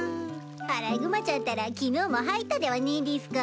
アライグマちゃんたら昨日も入ったではねぃでぃすか。